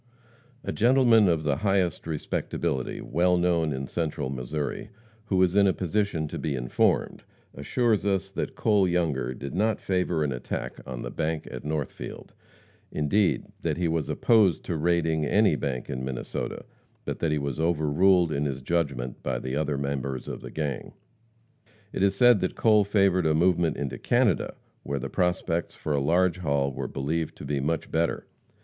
A gentleman of the highest respectability, well known in Central Missouri, who is in a position to be informed, assures us that Cole Younger did not favor an attack on the bank at Northfield; indeed, that he was opposed to raiding any bank in Minnesota, but that he was overruled in his judgment by the other members of the gang. It is said that Cole favored a movement into Canada, where the prospects for a large haul were believed to be very much better.